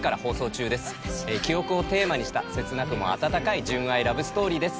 記憶をテーマにした切なくも温かい純愛ラブストーリーです。